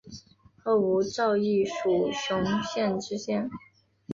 后吴兆毅署雄县知县。